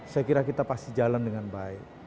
saya kira kita pasti jalan dengan baik